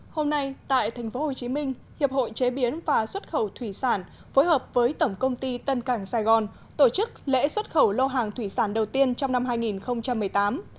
hôm nay tại tp hcm hiệp hội chế biến và xuất khẩu thủy sản phối hợp với tổng công ty tân cảng sài gòn tổ chức lễ xuất khẩu lô hàng thủy sản đầu tiên trong năm hai nghìn một mươi tám